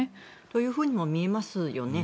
というふうにも見えますよね。